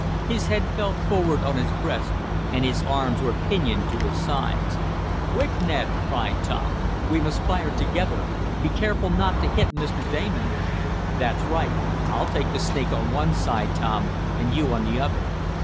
His head fell forward on his breast, and his arms were pinioned to his sides. "Quick, Ned!" cried Tom. "We must fire together! Be careful not to hit Mr. Damon!" "That's right. I'll take the snake on one side, Tom, and you on the other!"